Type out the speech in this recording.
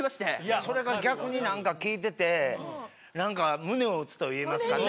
それが逆になんか聴いててなんか胸を打つといいますかね。